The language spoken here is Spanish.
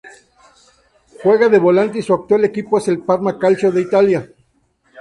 Juega de volante y su actual equipo es el Parma Calcio de Italia.